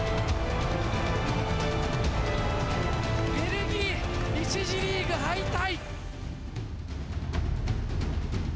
ベルギー、１次リーグ敗退。